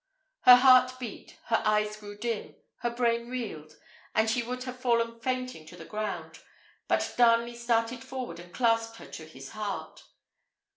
Her heart beat; her eyes grew dim; her brain reeled; and she would have fallen fainting to the ground, but Darnley started forward and clasped her to his heart.